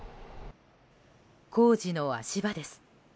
工事の足場です。